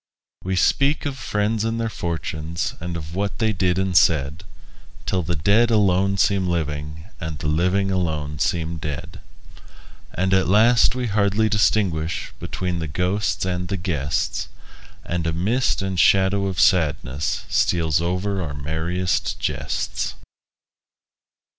We speak of friends and their fortunes, And of what they did and said, Till the dead alone seem living, And the living alone seem dead. And at last we hardly distinguish Between the ghosts and the guests; And a mist and shadow of sadness Steals over our merriest jests.